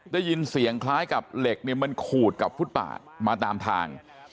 ได้ยินเสียงคล้ายกับเหล็กเนี่ยมันขูดกับฟุตบาทมาตามทาง